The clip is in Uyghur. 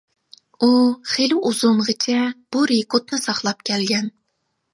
ئۇ خېلى ئۇزۇنغىچە بۇ رېكورتنى ساقلاپ كەلگەن.